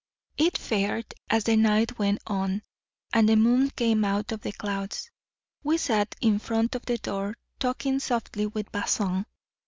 It faired as the night went on, and the moon came out of the clouds. We sat in front of the door, talking softly with Bazin.